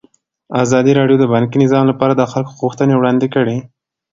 ازادي راډیو د بانکي نظام لپاره د خلکو غوښتنې وړاندې کړي.